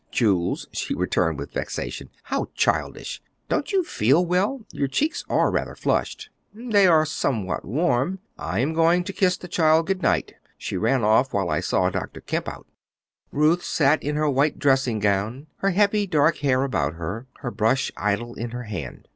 "Jules," she returned with vexation, "how childish! Don't you feel well? Your cheeks are rather flushed." "They are somewhat warm. I am going in to kiss the child good night; she ran off while I saw Dr. Kemp out." Ruth sat in her white dressing gown, her heavy dark hair about her, her brush idle in her hand.